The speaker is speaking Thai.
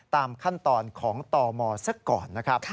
ตามขั้นตอนของตมซะก่อนนะครับ